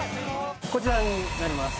こちらになります。